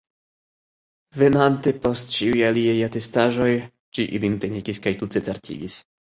Venante post ĉiuj aliaj atestaĵoj, ĝi ilin plenigis kaj tute certigis.